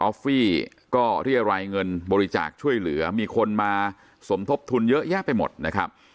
ฟี่ก็เรียรายเงินบริจาคช่วยเหลือมีคนมาสมทบทุนเยอะแยะไปหมดนะครับ